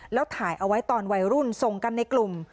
แล้วถ่ายเอาไว้ตอนวัยรุ่นส่งกันในกลุ่ม